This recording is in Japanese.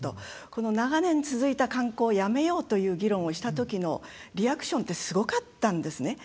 この長年続いた慣行をやめようという議論をしたときのリアクションってすごかったんですね。